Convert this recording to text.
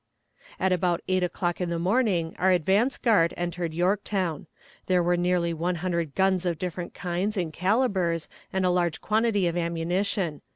At about eight o'clock in the morning our advance guard entered Yorktown. There were nearly one hundred guns of different kinds and calibers and a large quantity of ammunition.